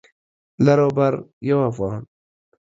لر او بر یو افغان